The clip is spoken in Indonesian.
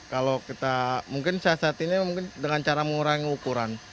kalau kita mungkin sesatinya dengan cara mengurangi ukuran